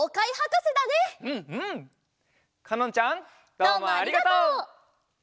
どうもありがとう！